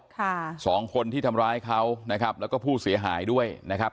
ค่ะสองคนที่ทำร้ายเขานะครับแล้วก็ผู้เสียหายด้วยนะครับ